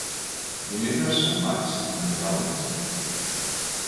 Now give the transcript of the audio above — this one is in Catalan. Dimecres en Max anirà al metge.